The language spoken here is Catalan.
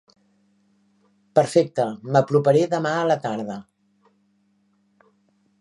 Perfecte, m'aproparé demà a la tarda.